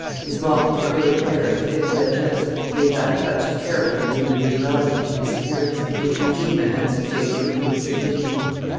His mop of curly hair and thick red lips gave that touch of character and individuality to his appearance which redeem a handsome face from insipidity.